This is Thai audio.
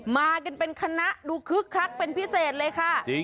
มากันเป็นคณะดูคึกคักเป็นพิเศษเลยค่ะ